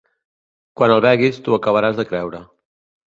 Quan el beguis, t’ho acabaràs de creure.